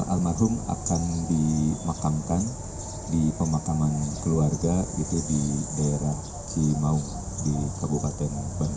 almarhum akan dimakamkan di pemakaman keluarga di daerah cimaung di kabupaten bandung